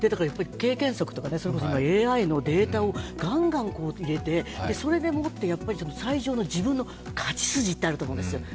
だから経験則とかＡＩのデータをがんがん入れて、それでもって最初の自分の勝ち筋ってあると思うんですよ。